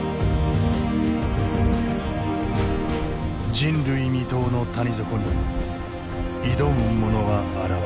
人類未踏の谷底に挑む者が現れた。